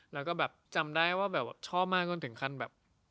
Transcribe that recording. แล้วก็แบบจำได้ว่าแบบชอบมากจนถึงขั้นแบบ